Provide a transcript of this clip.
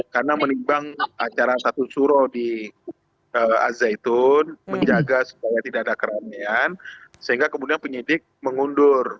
karena menimbang acara satu suruh di azeitun menjaga supaya tidak ada keramaian sehingga kemudian penyidik mengundur